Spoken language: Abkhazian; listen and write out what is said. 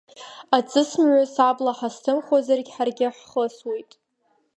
Аҵысмҩас абла ҳазҭымхуазаргьы, ҳаргьы ҳхысуеит!